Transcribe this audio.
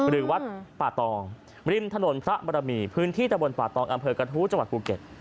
หรือวัดป่าตองริมถนนพระบรมีพื้นที่ตะบนป่าตองอำเภอกระทู้จังหวัดภูเก็ต